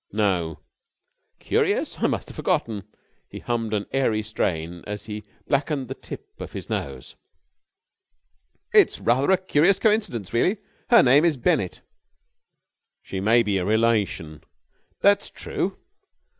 "No." "Curious! I must have forgotten." He hummed an airy strain as he blackened the tip of his nose. "It's rather a curious coincidence, really. Her name is Bennett." "She may be a relation." "That's true.